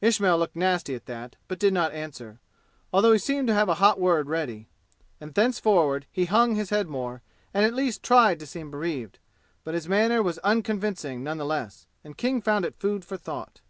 Ismail looked nasty at that but did not answer, although he seemed to have a hot word ready. And thenceforward he hung his head more, and at least tried to seem bereaved. But his manner was unconvincing none the less, and King found it food for thought.